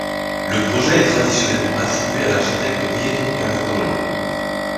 Le projet est traditionnellement attribué à l'architecte Pietro Carattoli.